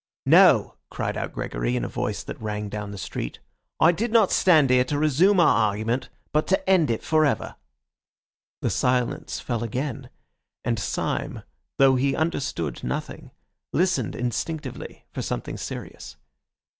"No," cried out Gregory, in a voice that rang down the street, "I did not stand here to resume our argument, but to end it for ever." The silence fell again, and Syme, though he understood nothing, listened instinctively for something serious.